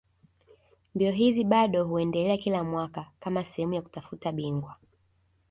Mbio hizi bado huendelea kila mwaka kama sehemu ya kutafuta bingwa